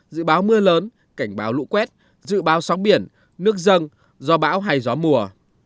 dự báo mưa lớn cảnh báo lũ quét dự báo sóng biển nước dâng gió bão hay gió mùa